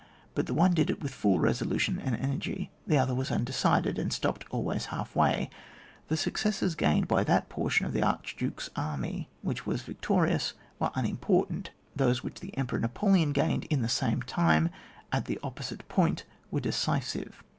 But the one did it with full resolution and energy, the other was undecided, and stopped always half way. The suc cesses gained by that portion of the Archduke's army which was victorious, were unimportant; those which the Emperor Napoleon gained in the same time at the opposite point, were de cisive.